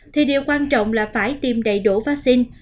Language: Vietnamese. thì điều quan trọng là phải tiêm đầy đủ vaccine